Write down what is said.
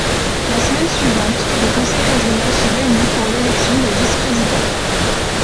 La semaine suivante, le conseil régional se réunit pour l'élection des vice-présidents.